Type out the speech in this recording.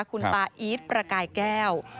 คุณตาอีทประกายแก้ว